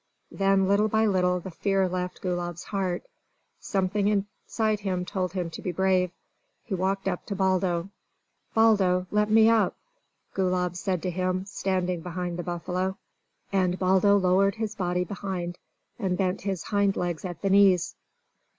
Then little by little the fear left Gulab's heart. Something inside him told him to be brave. He walked up to Baldo. "Baldo, let me up!" Gulab said to him, standing behind the buffalo. And Baldo lowered his body behind, and bent his hind legs at the knees.